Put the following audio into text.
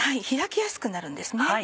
開きやすくなるんですね